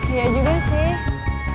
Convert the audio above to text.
iya juga sih